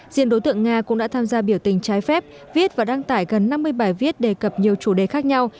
diện đối tượng nga cũng đã tham gia biểu tình trái phép viết và đăng tải gần năm mươi bài viết đề cập nhiều chủ đề khác nhau